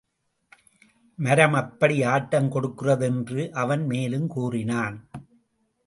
மரம் அப்படி ஆட்டம் கொடுக்கிறது என்று அவன் மேலும் கூறினான்.